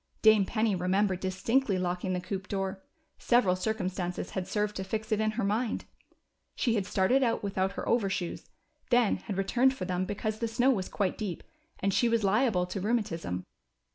Dame Penny remembered distinctly locking the coop door ; several circumstances had served to fix it in lier mind. She had started out without her overshoes, then had returned for them because the snow was quite deep and she was liable to rheumatism.